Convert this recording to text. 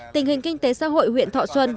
tình hình kinh tế xã hội huyện thọ xuân